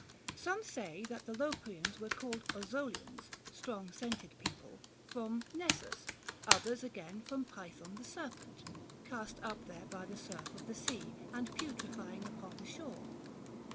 Some say that the Locrians were called Ozolians (strong scented people) from Nessns — others again from Python the serpent — cast up there by the surf of the sea, and putrefying upon the shore.